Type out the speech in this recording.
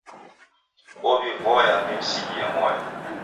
Ow'ivoya wimsighie moyo.